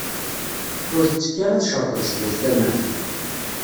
Ur tettekk ara tecreṭ zdat tamart.